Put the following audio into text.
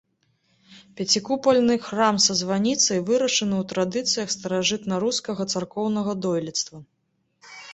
Пяцікупальны храм са званіцай вырашаны ў традыцыях старажытнарускага царкоўнага дойлідства.